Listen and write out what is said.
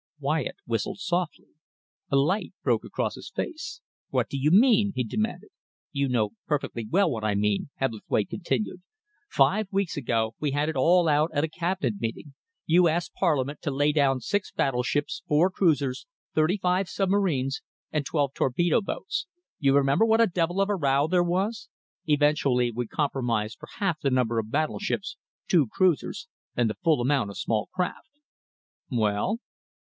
Wyatt whistled softly. A light broke across his face. "What do you mean?" he demanded. "You know perfectly well what I mean," Hebblethwaite continued. "Five weeks ago we had it all out at a Cabinet meeting. You asked Parliament to lay down six battleships, four cruisers, thirty five submarines, and twelve torpedo boats. You remember what a devil of a row there was. Eventually we compromised for half the number of battleships, two cruisers, and the full amount of small craft." "Well?"